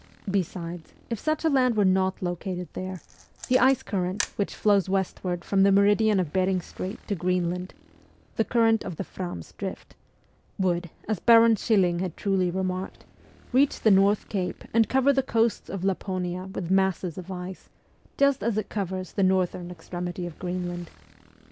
Besides, if such a land were not located there, the ice current which flows westward from the meridian of Behring Strait to Greenland (the current of the Tram's ' drift) would, as Baron Schilling had truly remarked, reach the North Cape and cover the coasts of Laponia with masses of ice, just as it covers the northern extremity of Greenland.